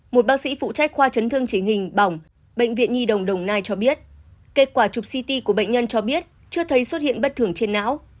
một bác sĩ phụ trách khoa chấn thương chỉ hình bỏng bệnh viện nhi đồng đồng nai cho biết kết quả chụp ct của bệnh nhân cho biết chưa thấy xuất hiện bất thường trên não